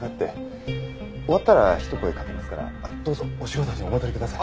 終わったらひと声かけますからどうぞお仕事にお戻りください。